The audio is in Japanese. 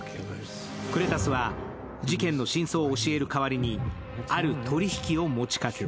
クレタスは事件の真相を教える代わりにある取引を持ちかける。